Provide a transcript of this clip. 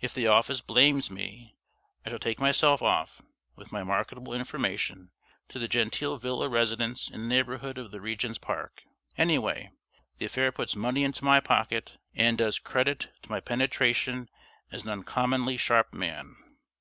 If the office blames me, I shall take myself off, with my marketable information, to the genteel villa residence in the neighborhood of the Regent's Park. Anyway, the affair puts money into my pocket, and does credit to my penetration as an uncommonly sharp man.